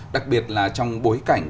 đặc biệt là trong bối cảnh